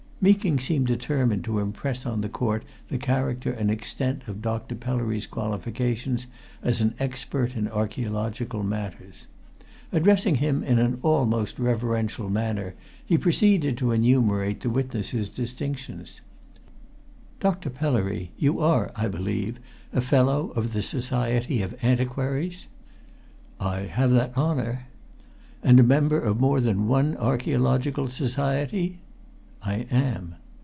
Meeking seemed determined to impress on the court the character and extent of Dr. Pellery's qualifications as an expert in archæological matters. Addressing him in an almost reverential manner, he proceeded to enumerate the witness's distinctions. "Dr. Pellery, you are, I believe, a Fellow of the Society of Antiquaries?" "I have that honour." "And a member of more than one archæological society?" "I am."